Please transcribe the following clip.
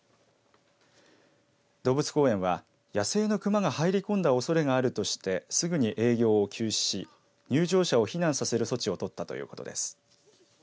動物公園は野生の熊が入り込んだおそれがあるとしてすぐに営業を休止し入場者を避難させる措置を取ったということです。